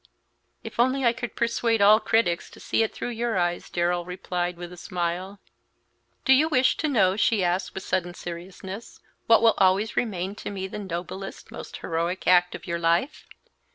"If only I could persuade all critics to see it through your eyes!" Darrell replied, with a smile. "Do you wish to know," she asked, with sudden seriousness, "what will always remain to me the noblest, most heroic act of your life?"